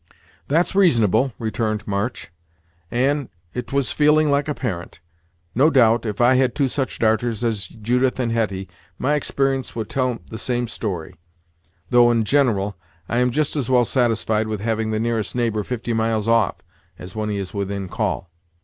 "That's reasonable," returned March; "and 't was feeling like a parent. No doubt, if I had two such darters as Judith and Hetty, my exper'ence would tell the same story, though in gin'ral I am just as well satisfied with having the nearest neighbor fifty miles off, as when he is within call."